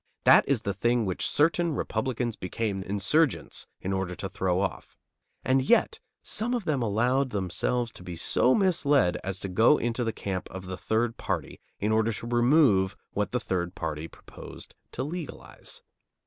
That is the thing which certain Republicans became "insurgents" in order to throw off. And yet some of them allowed themselves to be so misled as to go into the camp of the third party in order to remove what the third party proposed to legalize.